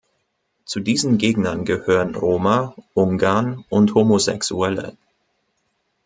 Zu diesen Gegnern gehören Roma, Ungarn und Homosexuelle.